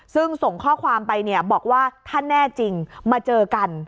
ซึ่งส่งข้อความไปเนี่ยบอกว่าถ้าแน่จริงมาเจอกัน